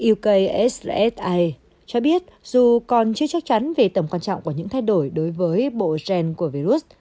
ek ssa cho biết dù còn chưa chắc chắn về tầm quan trọng của những thay đổi đối với bộ gen của virus